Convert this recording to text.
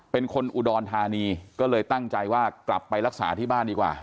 เป็นคนอุดรธานีก็เลยตั้งใจว่ากลับไปรักษาที่บ้านดีกว่า